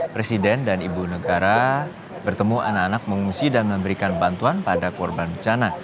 presiden dan ibu negara bertemu anak anak mengungsi dan memberikan bantuan pada korban bencana